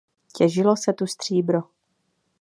Těžilo se tu stříbro.